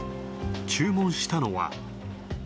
注文したのは。